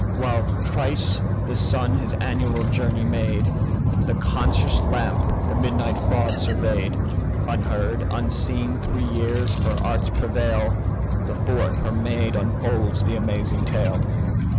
While thrice the sun his annual journey made, The conscious lamp the midnight fraud survey'd; Unheard, unseen, three years her arts prevail; The fourth her maid unfolds the amazing tale.